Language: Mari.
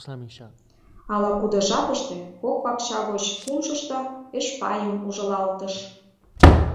Ала-кудо жапыште кок пакча гоч кумшышто Эшпайым ужылалтыш.